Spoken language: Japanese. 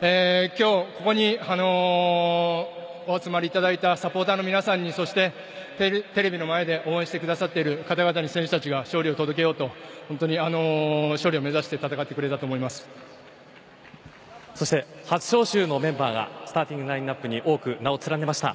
今日ここにお集まりいただいたサポーターの皆さんにそしてテレビの前で応援してくださっている方々に勝利を届けようと勝利を目指して初招集のメンバーがスターティングラインナップに多く名を連ねました。